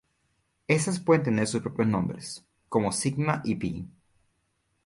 Estas pueden tener sus propios nombres, como sigma y pi.